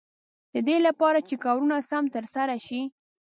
د دې لپاره چې کارونه سم تر سره شي.